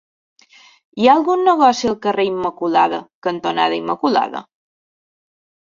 Hi ha algun negoci al carrer Immaculada cantonada Immaculada?